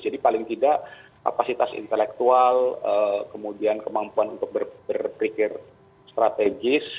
jadi paling tidak kapasitas intelektual kemudian kemampuan untuk berpikir strategis